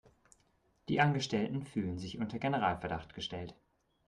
Die Angestellten fühlen sich unter Generalverdacht gestellt.